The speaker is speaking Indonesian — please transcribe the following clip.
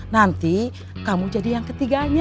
nanti kamu jadi yang ketiganya